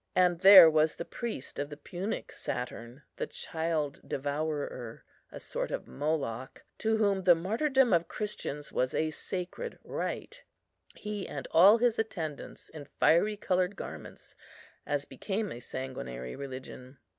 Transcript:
And there was the priest of the Punic Saturn, the child devourer, a sort of Moloch, to whom the martyrdom of Christians was a sacred rite; he and all his attendants in fiery coloured garments, as became a sanguinary religion.